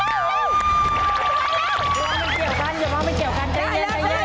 อย่าว่ามันเกี่ยวกันง่าย